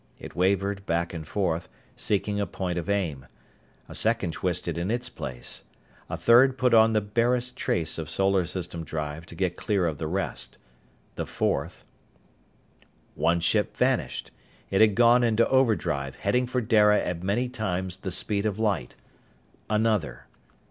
It wavered back and forth, seeking a point of aim. A second twisted in its place. A third put on the barest trace of solar system drive to get clear of the rest. The fourth One ship vanished. It had gone into overdrive, heading for Dara at many times the speed of light. Another.